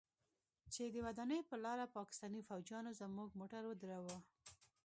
چې د واڼې پر لاره پاکستاني فوجيانو زموږ موټر ودراوه.